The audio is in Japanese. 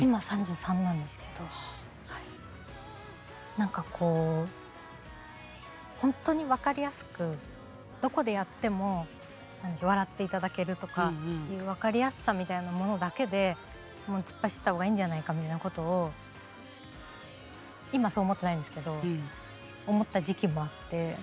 何かこう本当に分かりやすくどこでやっても何でしょう笑って頂けるとかいう分かりやすさみたいなものだけで突っ走った方がいいんじゃないかみたいなことを今そう思ってないんですけど思った時期もあって。